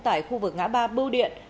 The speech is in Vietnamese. tại khu vực ngã ba bưu điện